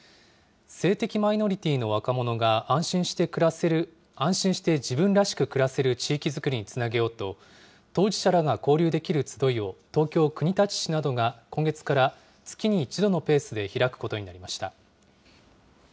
性的マイノリティーの若者が安心して自分らしく暮らせる地域づくりにつなげようと、当事者らが交流できる集いを、東京・国立市などが今月から月に１度のペースで開くことになりま